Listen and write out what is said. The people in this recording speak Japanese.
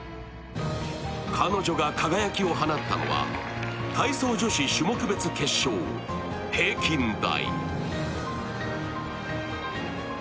彼女が輝きを放ったのは体操女子種目別決勝・平均台。